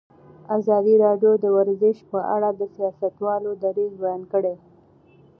ازادي راډیو د ورزش په اړه د سیاستوالو دریځ بیان کړی.